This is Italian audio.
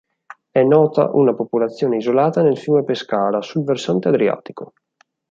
È nota una popolazione isolata nel fiume Pescara, sul versante adriatico.